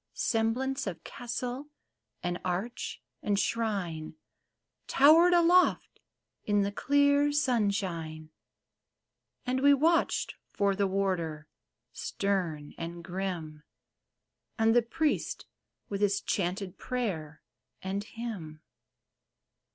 Semblance of castle and arch and shrine Towered aloft in the clear sunshine ; And we watched for the warder, stern and grim, And the priest with his chanted prayer and hymn.